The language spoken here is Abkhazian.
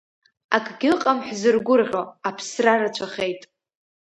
Акгьыҟам ҳзыргәырӷьо, аԥсра рацәахеит…